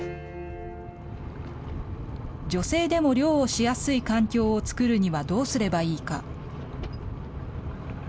女性でも漁をしやすい環境を作るにはどうすればいいか。